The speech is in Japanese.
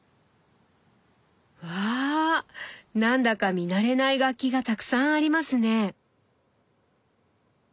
わあ何だか見慣れない楽器がたくさんありますね。